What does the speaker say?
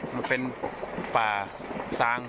มันเป็นปลายส้าง